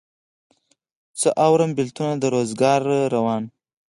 څه اورم بېلتونه د روزګار روان